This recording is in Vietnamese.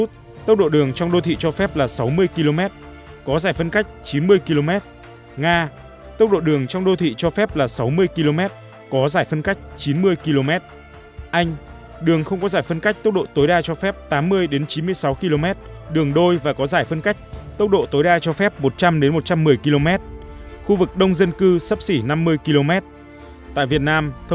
tốc độ đường trong đô thị cho phép là năm mươi sáu mươi km có giải phân cách chín mươi km đối với xe dưới ba năm tấn bảy mươi km đối với xe trên ba năm tấn